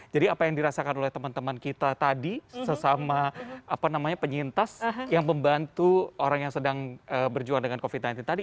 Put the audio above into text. jadi apa yang dirasakan oleh teman teman kita tadi sesama penyintas yang membantu orang yang sedang berjuang dengan covid sembilan belas tadi